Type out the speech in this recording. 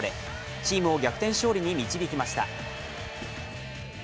チームを逆転勝利に導きました。